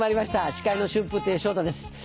司会の春風亭昇太です。